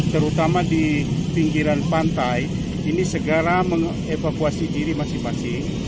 terutama di pinggiran pantai ini segera mengevakuasi diri masing masing